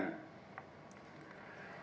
baris kim polri telah mengukur soal penggunaan bin